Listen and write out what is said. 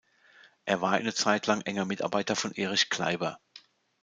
Er war eine Zeit lang enger Mitarbeiter von Erich Kleiber.